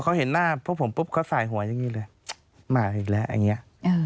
เขาเห็นหน้าพวกผมปุ๊บเขาสายหัวอย่างนี้เลยมาอีกแล้วอย่างนี้